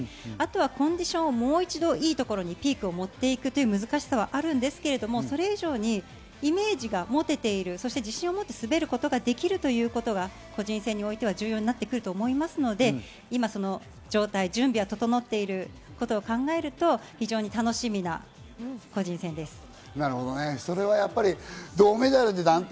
あとはコンディションをもう一度いいところにピークを持っていくという難しさはあるんですけれども、それ以上にイメージが持てている、自信を持って滑ることができるということが個人戦においては重要だと思いますので、今の状態、準備が整っていることを考えると非常に楽しみな個人戦です。